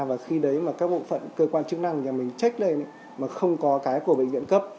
và khi đấy mà các bộ phận cơ quan chức năng nhà mình trách lên mà không có cái của bệnh viện cấp